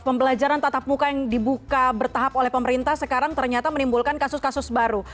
pembelajaran tatap muka yang dibuka bertahap oleh pemerintah sekarang ternyata menimbulkan kasus kasus baru